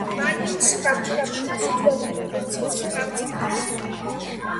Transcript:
მანლიუსი მარჯვენა ფრთას უძღვებოდა, დეციუსი მარცხენას.